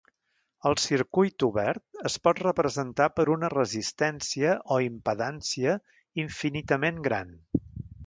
El circuit obert es pot representar per una resistència o impedància infinitament gran.